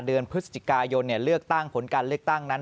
เดือนพฤศจิกายนเลือกตั้งผลการเลือกตั้งนั้น